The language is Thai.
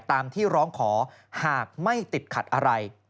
ตามที่ร้องขอหากไม่ติดขัดอะไร